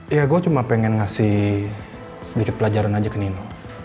ya gue cuma pengen ngasih sedikit pelajaran aja ke nino